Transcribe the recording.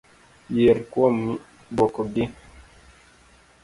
Yier kuom duoko gi.